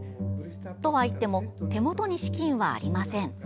とはいっても手元に資金はありません。